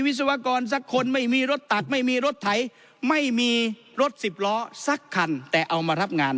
วิศวกรสักคนไม่มีรถตักไม่มีรถไถไม่มีรถสิบล้อสักคันแต่เอามารับงาน